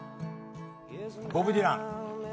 ボブ・ディラン。